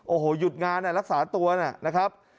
โอ้โหหยุดงานรักษาตัวนะครับ